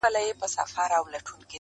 "د مثقال د ښو جزا ورکول کېږي!.